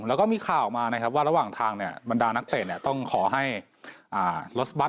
แล้วก็มีค่าออกมาว่าระหว่างทางบรรดานักเตะต้องขอให้รถบัส